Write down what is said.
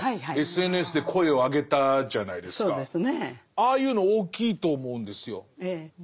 ああいうの大きいと思うんですよ。